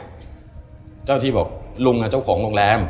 เจ้าหน้าที่บอกลุงเจ้าของโรงแรม